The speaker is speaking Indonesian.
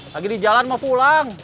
lagi di jalan mau pulang